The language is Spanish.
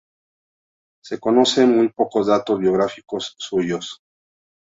Se conocen muy pocos datos biográficos suyos.